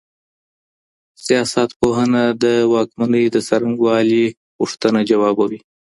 سياستپوهنه د واکمنۍ د څرنګوالي پوښتنه جوابوي.